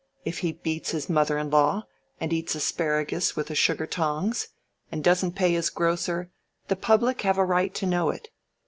If he beats his mother in law, and eats asparagus with the sugar tongs, and doesn't pay his grocer, the public have a right to know it.